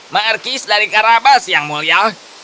markis dari karabas yang mulia